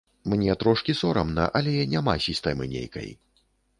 Мне трошкі сорамна, але няма сістэмы нейкай.